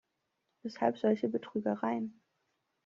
Weshalb solche Betrügereien?